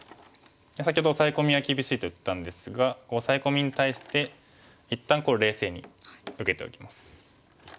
先ほどオサエ込みは厳しいと言ったんですがオサエ込みに対して一旦冷静に受けておきます。